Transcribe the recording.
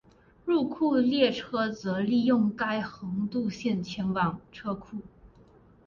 入库列车则利用该横渡线前往车库。